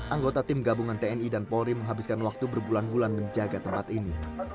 anggota tim gabungan tni dan polri menghabiskan waktu berbulan bulan menjaga tempat ini